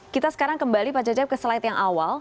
kita sekarang kembali pak cecep ke slide yang awal